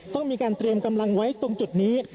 ต้องมีการเตรียมกำลังไว้ตรงจุดนี้